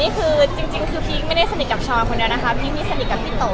โหสนิทนี่คือจริงคือพี่ไม่ได้สนิทกับช้อนคนเดียวนะคะพี่มีสนิทกับพี่โต